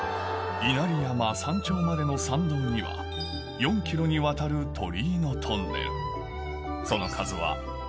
稲荷山山頂までの参道には４ｋｍにわたる鳥居のトンネル